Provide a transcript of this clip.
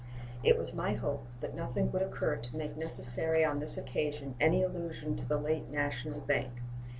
It was my hope that nothing would occur to make necessary on this occasion any allusion to the late national bank.